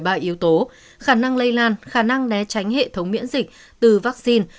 ba yếu tố khả năng lây lan khả năng né tránh hệ thống miễn dịch từ vaccine